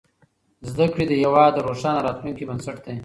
زدهکړې د هېواد د روښانه راتلونکي بنسټ دی.